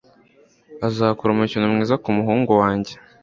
Azakora umukino mwiza kumuhungu wanjye.